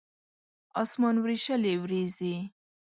اسمان وریشلې وریځې